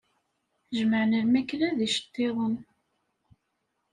Jemɛen lmakla d iceṭṭiḍen.